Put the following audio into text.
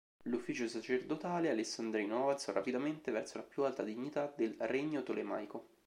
L'ufficio sacerdotale alessandrino avanzò rapidamente verso la più alta dignità del regno tolemaico.